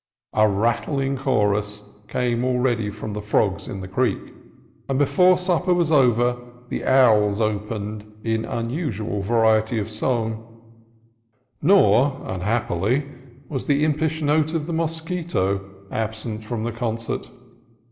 A rattling chorus came already from the frogs in the creek, and before supper was over the owls opened in unusual variety of song; nor, unhappily, was the impish note of the mosquito absent from the concert.